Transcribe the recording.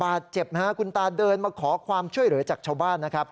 บาดเจ็บนะฮะคุณตาเดินมาขอความช่วยเหลือจากชาวบ้านนะครับ